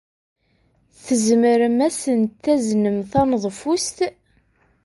Tzemrem ad asent-taznem taneḍfust?